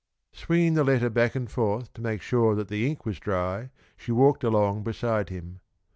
Swinging the letter back and forth to make sure that the ink was dry, she walked along beside him.